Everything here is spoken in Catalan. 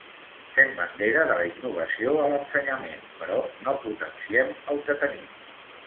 Fem bandera de la innovació a l’ensenyament, però no potenciem el que tenim.